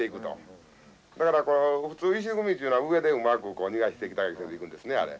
だから普通石組みっていうのは上でうまく逃がしていったりしていくんですねあれ。